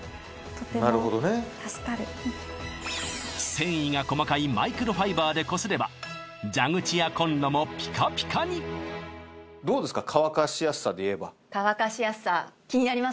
繊維が細かいマイクロファイバーでこすれば蛇口やコンロもピカピカに乾かしやすさ気になります